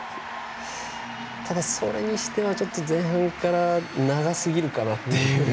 ただ、それにしてもちょっと前半から長すぎるかなっていう。